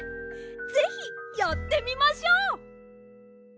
ぜひやってみましょう！